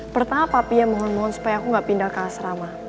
pertama papia mohon mohon supaya aku gak pindah ke asrama